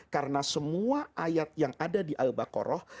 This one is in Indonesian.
karena semua ayat yang ada di al baqarah